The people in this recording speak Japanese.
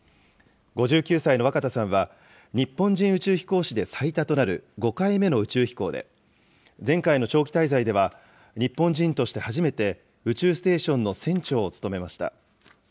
５９歳の若田さんは、日本人宇宙飛行士で最多となる５回目の宇宙飛行で、前回の長期滞在では、日本人として初めて宇宙ステーションの船長を務めました。